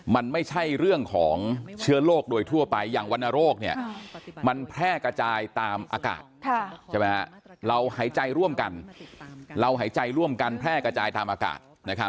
มันไม่ใช่เรื่องของเชื้อโรคโดยทั่วไปอย่างวรรณโรคมันแพร่กระจายตามอากาศเราหายใจร่วมกันเราหายใจร่วมกันแพร่กระจายตามอากาศ